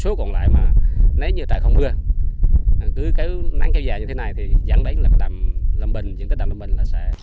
số còn lại nếu như tại không mưa cứ nắng kéo dài như thế này thì dẫn đến đàm lâm bình